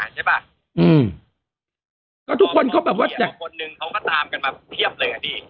ใช่ป่ะอืมก็ทุกคนเขาแบบว่าจากคนหนึ่งเขาก็ตามกันมาเพียบเลยอ่ะพี่